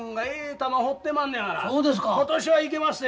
今年は行けまっせ。